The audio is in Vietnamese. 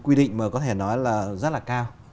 quy định mà có thể nói là rất là cao